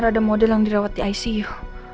ada model yang dirawat di icu